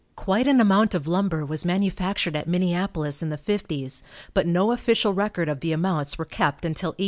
Quite an amount of lumber was manufactured at Minneapolis in the fifties, but no official record of the amounts were kept until 1870.